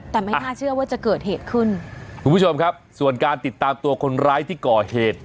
แต่ไม่น่าเชื่อว่าจะเกิดเหตุขึ้นคุณผู้ชมครับส่วนการติดตามตัวคนร้ายที่ก่อเหตุ